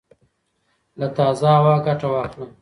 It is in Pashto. له تازه هوا ګټه واخله